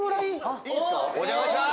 お邪魔します！